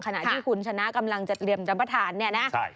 ขณะที่คุณชนะกำลังจะเตรียมรับประทานเนี่ยนะ